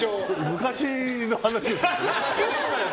昔の話です。